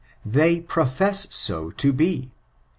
They proft>ss so to be.